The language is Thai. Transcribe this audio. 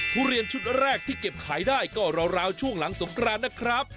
ทุเรียนชุดแรกที่เก็บขายได้ก็ราวช่วงหลังสงกรานนะครับ